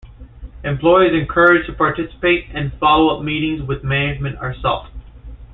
Employers encouraged to participate, and follow-up meetings with management are sought.